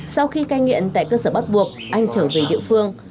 sau khi cai nghiện tại cơ sở bắt buộc anh trở về địa phương